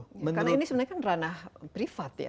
karena ini sebenarnya kan ranah privat ya